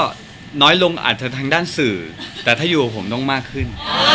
ก็น้อยลงอาจจะทางด้านสื่อแต่ถ้าอยู่กับผมต้องมากขึ้น